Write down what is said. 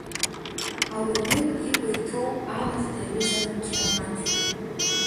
Ауаҩы икәа иҭоу амаҭ даҩызан Қьаламаҭ.